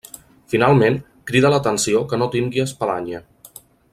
Finalment, crida l'atenció que no tingui espadanya.